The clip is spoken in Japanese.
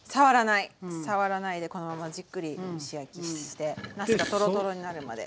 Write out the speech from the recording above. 触らないでこのままじっくり蒸し焼きしてなすがトロトロになるまで。